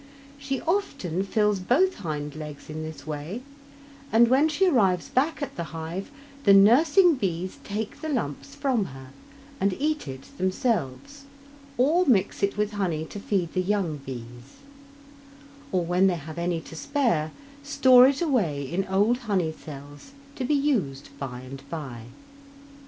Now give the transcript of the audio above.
She often fills both hind legs in this way, and when she arrives back at the hive the nursing bees take the lumps form her, and eat it themselves, or mix it with honey to feed the young bees; or, when they have any to spare, store it away in old honey cells to be used by and by.